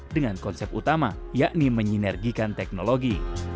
dengan konsep utama yakni menyinergikan teknologi